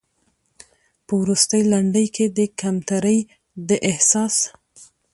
په وروستۍ لنډۍ کې د کمترۍ د احساس